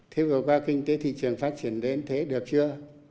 thế vừa qua kinh tế thị trường phát triển đến thế được chưa